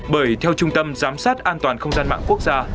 bởi theo trung tâm giám sát an toàn không gian mạng quốc gia